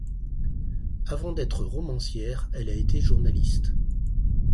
Avant d'être romancière, elle a été journaliste.